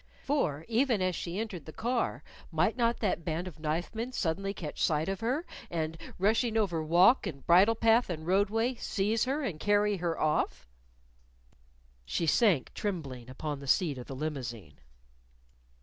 For, even as she entered the car, might not that band of knife men suddenly catch sight of her, and, rushing over walk and bridle path and roadway, seize her and carry her off? She sank, trembling, upon the seat of the limousine.